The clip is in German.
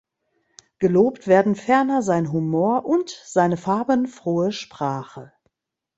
Gelobt werden ferner sein Humor und seine farbenfrohe Sprache.